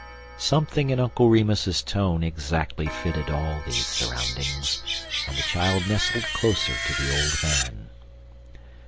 Something in Uncle Remus's tone exactly fitted all these surroundings, and the child nestled closer to the old man.